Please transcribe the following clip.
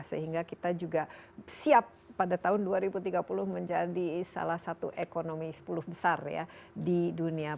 sehingga kita juga siap pada tahun dua ribu tiga puluh menjadi salah satu ekonomi sepuluh besar ya di dunia